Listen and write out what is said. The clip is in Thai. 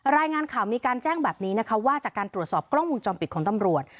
รายงานข่าวมีการแจ้งแบบนี้นะคะว่าจากการตรวจสอบกล้องวงจรปิดของตำรวจ